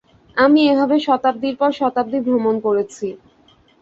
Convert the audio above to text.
আমি এভাবে শতাব্দীর পর শতাব্দী ভ্রমণ করেছি।